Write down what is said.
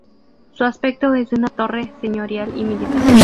Su aspecto es de una torre señorial y militar.